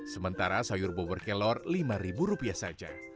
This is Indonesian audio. sementara sayur bobor kelor lima rupiah saja